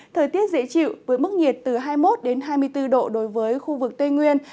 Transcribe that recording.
thời tiết dễ chịu với mức nhiệt từ hai mươi một hai mươi bốn độ đối với khu vực tây nguyên